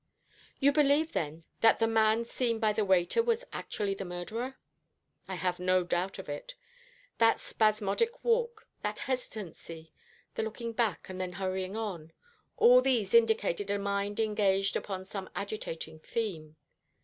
"You believe, then, that the man seen by the waiter was actually the murderer?" "I have no doubt of it. That spasmodic walk, that hesitancy, the looking back, and then hurrying on all these indicated a mind engaged upon some agitating theme.